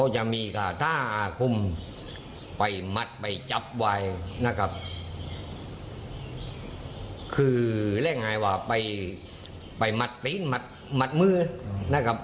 อเจมส์ไปมัดไปจับวาดคือล่ะง่ายว่าไปมัดฟิ้นหมัดมือนะครับ